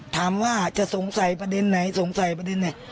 ถามว่าจะสงสัยประเด็นไหนสงสัยประเด็นไหน